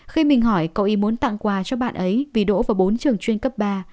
khi mình hỏi cậu ý muốn tặng quà cho bạn ấy vì đỗ vào bốn trường chuyên cấp ba